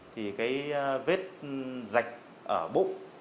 thì cái vết sạch ở bụng